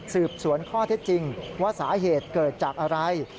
สืบสวนข้อเท็จจริงว่าสาเหตุเกิดจากอะไร